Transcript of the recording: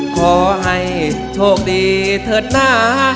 ขอให้โทษดีเถิดหน้า